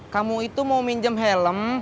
kamu itu mau minjem helm